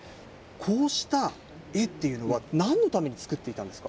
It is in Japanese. こうした絵っていうのは、なんのために作っていたんですか。